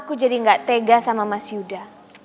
aku jadi gak tega sama mas yuda